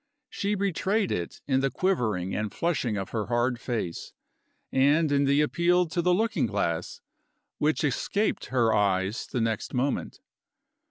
She betrayed it in the quivering and flushing of her hard face, and in the appeal to the looking glass which escaped her eyes the next moment.